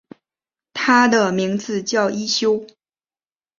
他的名字叫一休。